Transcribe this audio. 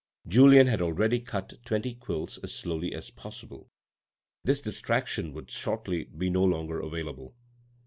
Julien had already cut twenty quills as slowly as possible ; this distraction would shortly be no longer available.